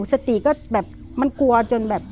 สติก็กลัวจนแบบ